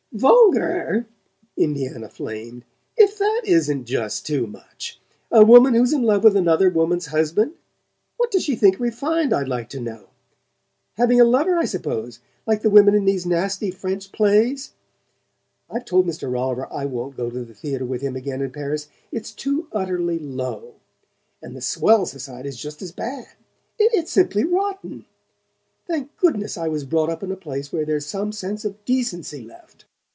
"VULGAR?" Indiana flamed. "If that isn't just too much! A woman who's in love with another woman's husband? What does she think refined, I'd like to know? Having a lover, I suppose like the women in these nasty French plays? I've told Mr. Rolliver I won't go to the theatre with him again in Paris it's too utterly low. And the swell society's just as bad: it's simply rotten. Thank goodness I was brought up in a place where there's some sense of decency left!"